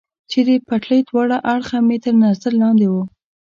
چې د پټلۍ دواړه اړخه مې تر نظر لاندې و.